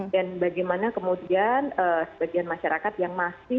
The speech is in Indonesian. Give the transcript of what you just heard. dan bagaimana kemudian sebagian masyarakat yang mahu